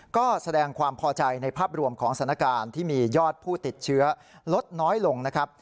ก็แสดงความพอใจในภาพรวมของสถานการณ์ที่มียอดผู้ติดเชื้อลดน้อยลงนะครับ